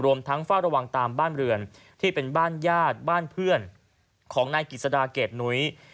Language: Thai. ทั้งเฝ้าระวังตามบ้านเรือนที่เป็นบ้านญาติบ้านเพื่อนของนายกิจสดาเกรดหนุ้ย